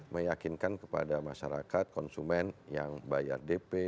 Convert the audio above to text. meyakinkan kepada masyarakat konsumen yang bayar dp